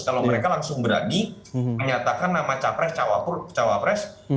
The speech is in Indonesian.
kalau mereka langsung berani menyatakan nama capres cawapres